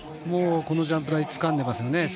もうこのジャンプ台つかんでますね。